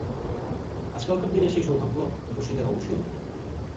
আজকালকার দিনে সেই সৌভাগ্য রশিদের অবশ্যই হবে না।